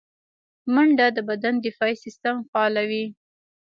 منډه د بدن دفاعي سیستم فعالوي